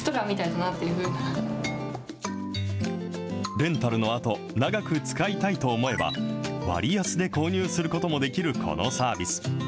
レンタルのあと、長く使いたいと思えば、割安で購入することもできるこのサービス。